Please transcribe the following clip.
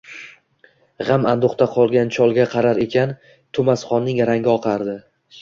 G’am-anduhda qolgan cholga qarar ekan, To’masxonning rangi oqardi.